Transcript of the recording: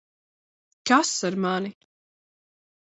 Kas ar mani?